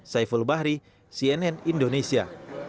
saiful bahri cnn indonesia